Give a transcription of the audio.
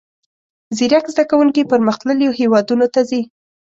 زیرک زده کوونکي پرمختللیو هیوادونو ته ځي.